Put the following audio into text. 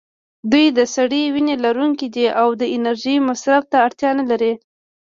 دوی د سړې وینې لرونکي دي او د انرژۍ مصرف ته اړتیا نه لري.